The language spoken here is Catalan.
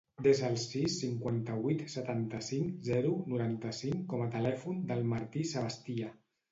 Desa el sis, cinquanta-vuit, setanta-cinc, zero, noranta-cinc com a telèfon del Martí Sebastia.